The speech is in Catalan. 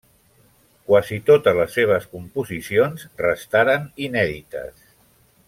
Quasi totes les seves composicions restaren inèdites.